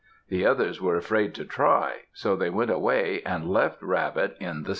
The others were afraid to try, so they went away and left Rabbit in the stump.